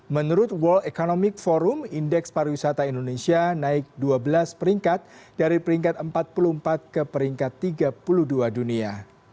menurut world economic forum indeks pariwisata indonesia naik dua belas peringkat dari peringkat empat puluh empat ke peringkat tiga puluh dua dunia